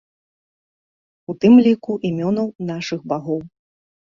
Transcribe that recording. У тым ліку імёнаў нашых багоў.